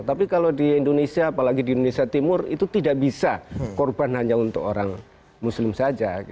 tapi kalau di indonesia apalagi di indonesia timur itu tidak bisa korban hanya untuk orang muslim saja